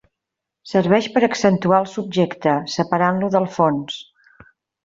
Serveix per accentuar el subjecte, separant-lo del fons.